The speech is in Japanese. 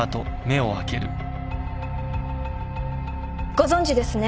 ご存じですね